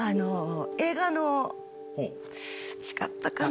映画の違ったかな？